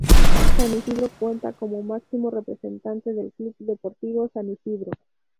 San Isidro cuenta como máximo representante al Club Deportivo San Isidro.